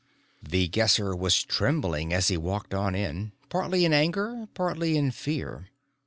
The Guesser was trembling as he walked on in partly in anger, partly in fear.